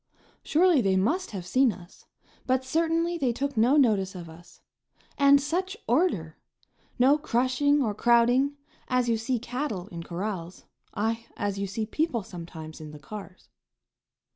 Surely they must have seen us, but certainly they took no notice of us. And such order! No crushing or crowding, as you see cattle in corrals, aye, as you see people sometimes in the cars.